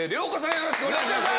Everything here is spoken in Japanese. よろしくお願いします。